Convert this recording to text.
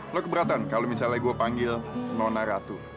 lo keberatan kalau misalnya gue panggil nona ratu